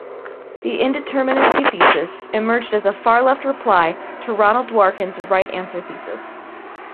The "indeterminacy thesis" emerged as a far-left reply to Ronald Dworkin's "right answer" thesis.